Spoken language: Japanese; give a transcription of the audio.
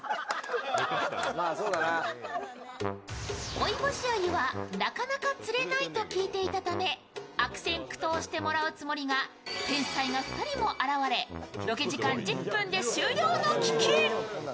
追い星鮎はなかなか釣れないと聞いていたため悪戦苦闘してもらうつもりが天才が２人も現れロケ時間１０分で終了の危機。